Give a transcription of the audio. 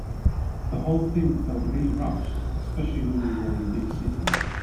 The whole thing felt really rushed, especially when we were in big cities.